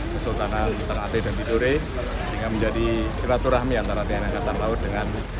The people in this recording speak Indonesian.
kesultanan ternate dan tidore hingga menjadi silaturahmi antara pihak angkatan laut dengan